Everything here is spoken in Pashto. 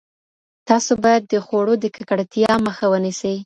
تاسو باید د خوړو د ککړتیا مخه ونیسئ.